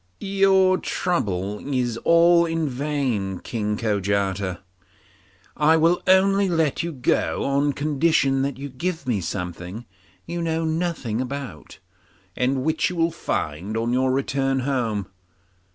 'Your trouble is all in vain, King Kojata; I will only let you go on condition that you give me something you know nothing about, and which you will find on your return home.